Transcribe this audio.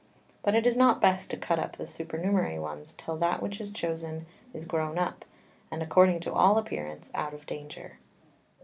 But it is not best to cut up the supernumerary ones till that which is chosen is grown up, and, according to all appearance, out of danger.